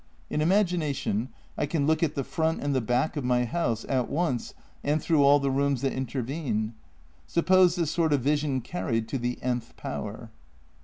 In imagination I can look at the front and the back of my house at once and through all the rooms that intervene. Suppose this sort of vision carried to the »*th power?